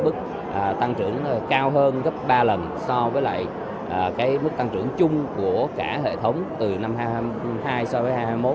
mức tăng trưởng cao hơn gấp ba lần so với lại cái mức tăng trưởng chung của cả hệ thống từ năm hai nghìn hai mươi hai so với hai nghìn hai mươi một